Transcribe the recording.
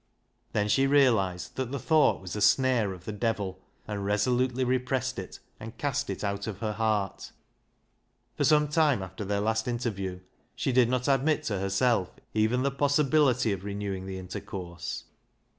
Then she realised that the thought was a snare of the devil, and resolutely repressed it and cast it out of her LEAH'S LOVER S7 heart. For some time after their last hitcrview she did not admit to herself even the possibility of renewing the intercourse.